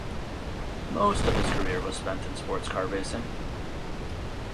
Most of his career was spent in sports car racing.